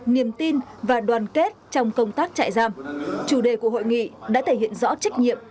niềm tin và đoàn kết trong công tác trại giam chủ đề của hội nghị đã thể hiện rõ trách nhiệm